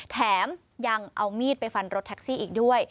แถมยังเอามีดไปฟันรถแท็กซี่อีกด้วย